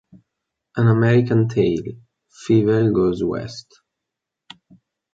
An American Tail: Fievel Goes West